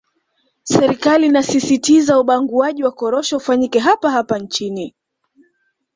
Serikali inasisitiza ubanguaji wa korosho ufanyike hapa hapa nchini